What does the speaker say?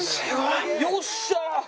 よっしゃー！